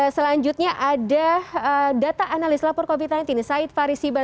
selanjutnya ada data analis lapor covid sembilan belas said faris iba